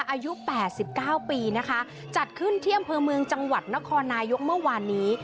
อายุ๘๙ปีนะคะจัดขึ้นที่อำเภอเมืองจังหวัดนครนายกเมื่อวานนี้